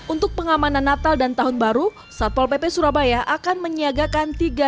untuk pengamanan natal dan tahun baru satpol pp surabaya akan menyiagakan tiga